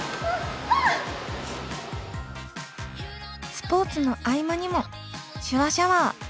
スポーツの合間にも「手話シャワー」。